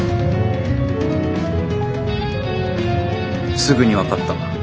すぐに分かった。